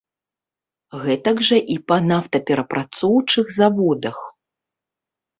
Гэтак жа і па нафтаперапрацоўчых заводах.